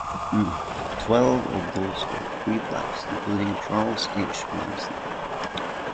Twelve of those were free blacks, including Charles H. Langston.